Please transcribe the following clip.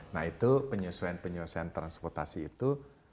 nah itu penyusuan penyusuan transportasi itu